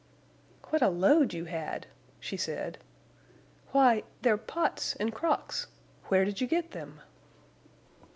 "What a load you had!" she said. "Why, they're pots and crocks! Where did you get them?"